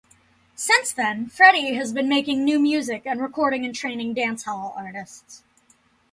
Since then Freddy has been making new music and recording and training dancehall artists.